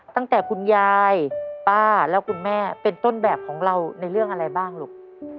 คุณยายป้าแล้วคุณแม่เป็นต้นแบบของเราในเรื่องอะไรบ้างลูก